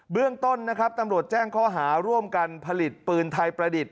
เรื่องต้นนะครับตำรวจแจ้งข้อหาร่วมกันผลิตปืนไทยประดิษฐ